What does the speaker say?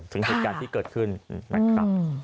ถึงวิธีการที่เกิดขึ้นนะครับ